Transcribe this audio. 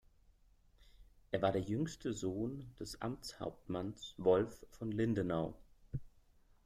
Er war der jüngste Sohn des Amtshauptmanns Wolf von Lindenau.